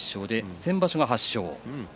先場所は８勝。